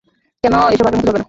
কেন এসব আগের মতো চলবে না?